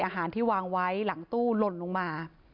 อาหารที่วางไว้หลังตู้หล่นลงมา